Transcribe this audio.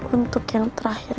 untuk yang terakhir kalinya